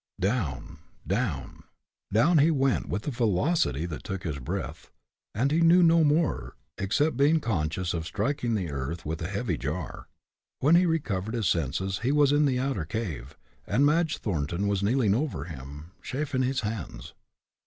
Down down down he went with a velocity that took his breath, and he knew no more, except being conscious of striking the earth with a heavy jar. When he recovered his senses he was in the outer cave, and Madge Thornton was kneeling over him, chafing his hands.